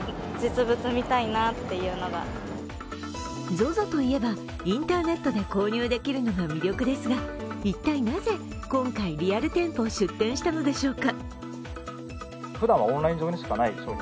ＺＯＺＯと言えばインターネットで購入できるのが魅力ですが一体なぜ今回、リアル店舗を出店したのでしょうか。